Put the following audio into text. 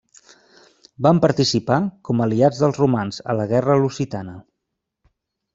Van participar, com aliats dels romans, a la guerra lusitana.